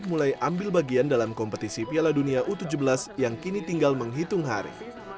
mulai ambil bagian dalam kompetisi piala dunia u tujuh belas yang kini tinggal menghitung hari